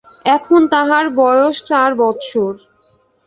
এখন তাহার বয়স চার বৎসর।